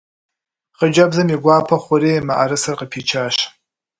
Хъыджэбзым и гуапэ хъури мыӏэрысэр къыпичащ.